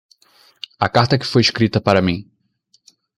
A carta que foi escrita para mim